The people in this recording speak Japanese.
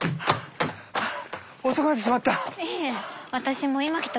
遅くなってしまった。